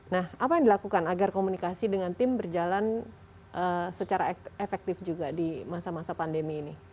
nah apa yang dilakukan agar komunikasi dengan tim berjalan secara efektif juga di masa masa pandemi ini